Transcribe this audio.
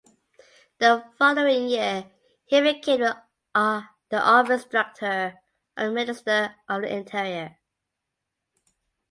The following year he became the Office Director of the Minister of the Interior.